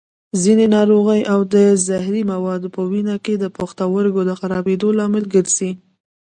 ځینې ناروغۍ او زهري مواد په وینه کې د پښتورګو د خرابېدو لامل ګرځي.